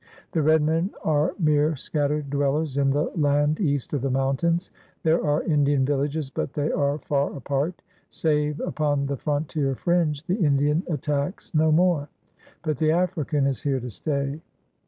The red men are mere scattered dwellers in the land east of the mountains. There are Indian vil lages, but they are far apart. Save upon the fron tier fringe, the Indian attacks no more. But the African is here to stay.